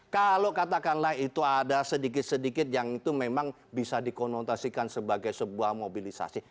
kalau katakanlah itu ada sedikit sedikit yang itu memang bisa dikonontasikan sebagai sebuah mobilisasi